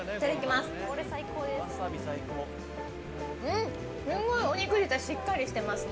すごいお肉自体はしっかりしてますね。